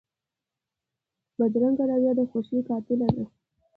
بدرنګه رویه د خوښۍ قاتله ده